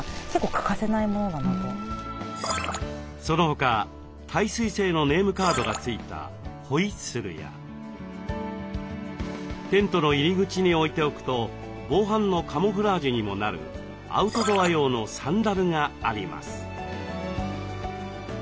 その他耐水性のネームカードが付いたホイッスルやテントの入り口に置いておくと防犯のカモフラージュにもなるアウトドア用のサンダルがあります。